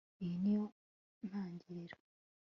Iyi niyo ntangiriro